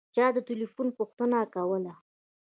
چا د تیلیفون پوښتنه کوله.